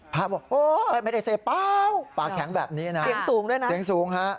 พระบอกไม่ได้เสพเปล่าปากแข็งแบบนี้นะเสียงสูงด้วยนะ